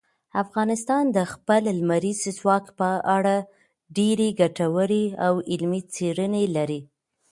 افغانستان د خپل لمریز ځواک په اړه ډېرې ګټورې او علمي څېړنې لري.